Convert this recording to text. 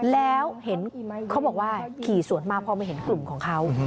แล้วเห็นเขาบอกว่าขี่สวนมาพอมาเห็นกลุ่มของเขา